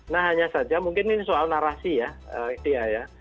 nah hanya saja mungkin ini soal narasi ya